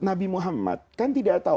nabi muhammad kan tidak tahu